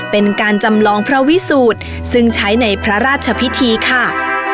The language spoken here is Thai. เป็นการจำลองพระวิสูจน์ซึ่งใช้ในพระราชพิธีค่ะ